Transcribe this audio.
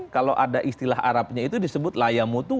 kalau ada istilah arabnya itu disebut layamutu